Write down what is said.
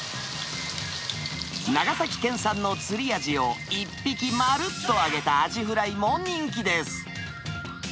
長崎県産の釣りアジを、１匹まるっと揚げたアジフライも人気です。